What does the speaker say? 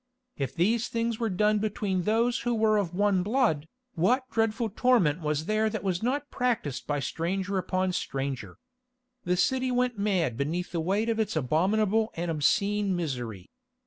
If these things were done between those who were of one blood, what dreadful torment was there that was not practised by stranger upon stranger? The city went mad beneath the weight of its abominable and obscene misery.